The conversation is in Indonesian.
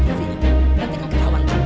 nanti kita ketahuan